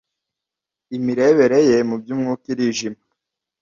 imirebere ye mu by’umwuka irijima